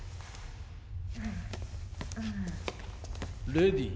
レディー